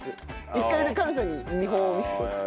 一回カナさんに見本を見せてください。